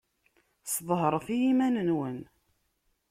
Sḍehret i yiman-nwen.